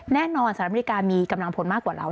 สหรัฐอเมริกามีกำลังผลมากกว่าเรา